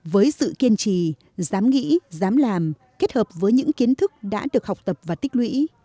với sự kiên trì dám nghĩ dám làm kết hợp với những kiến thức đã được học tập và tích lũy